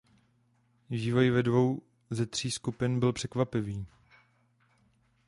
Vývoj ve dvou ze tří skupin byl překvapivý.